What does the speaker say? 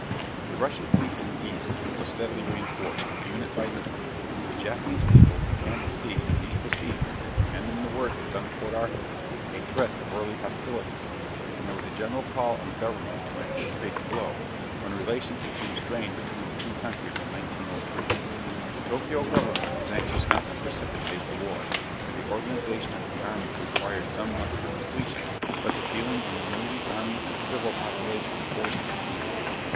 The Russian fleet in the East was steadily reinforced, unit by unit. The Japanese people began to see in these proceedings, and in the work done at Port Arthur, a threat of early hostilities, and there was a general call on the Government to anticipate the blow, when relations became strained between the two countries in 1903. The Tokio Government was anxious not to precipitate the war, for the organization of the army required some months for completion, but the feeling in the navy, army, and civil population forced its hand.